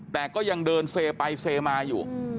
แต่ก็ยังเดินเซไปเซมาอยู่